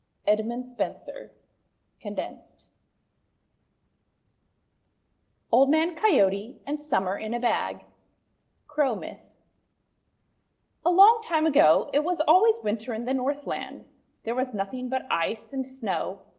EDMUND SPENSER (condensed) OLD MAN COYOTE AND SUMMER IN A BAG Crow Myth A LONG time ago, it was always Winter in the Northland. There was nothing but Ice and Snow.